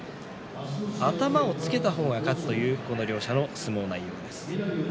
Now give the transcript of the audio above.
頭をつけた方が勝つというこの両者の相撲内容です。